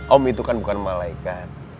om itu kan bukan malaikat